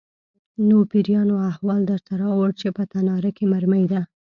_نو پېريانو احوال درته راووړ چې په تناره کې مرمۍ ده؟